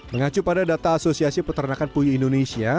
mengacu pada data asosiasi peternakan puyuh indonesia